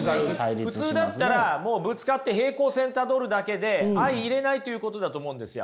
普通だったらもうぶつかって平行線たどるだけで相いれないということだと思うんですよ。